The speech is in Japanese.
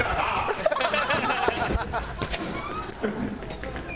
ハハハハ！